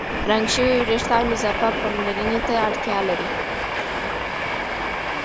رنګ شوي وېښتيان اضافه پاملرنې ته اړتیا لري.